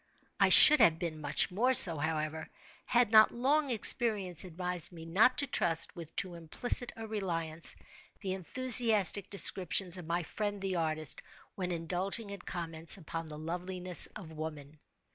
I should have been much more so, however, had not long experience advised me not to trust, with too implicit a reliance, the enthusiastic descriptions of my friend, the artist, when indulging in comments upon the loveliness of woman.